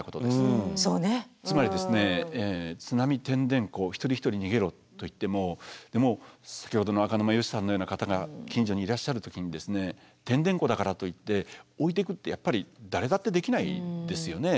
つまり「津波てんでんこ」一人一人逃げろといっても先ほどの赤沼ヨシさんのような方が近所にいらっしゃる時に「てんでんこ」だからといって置いていくってやっぱり誰だってできないですよね。